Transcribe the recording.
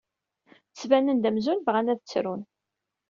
Ttbanen-d amzun bɣan ad ttrun.